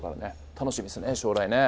楽しみですね将来ね。